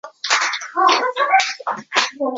玛莉亚是阿尔卑斯山上一所修道院的实习修女。